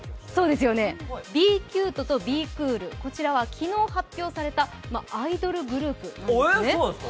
Ｂ＿ＣＵＴＥとＢ＿ＣＯＯＬ、こちらは昨日発表されたアイドルグループなんです。